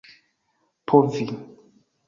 povi